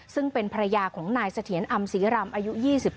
ซึ่งเป็นภรรยาของนายเสถียรอำศรีรำอายุ๒๙